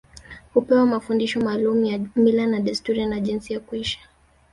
Hupewa mafundisho maalum juu ya mila na desturi na jinsi ya kuishi